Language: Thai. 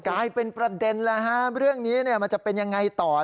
กลายเป็นประเด็นแล้วฮะเรื่องนี้มันจะเป็นยังไงต่อ